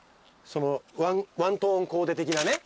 ワントーンコーデ的なね。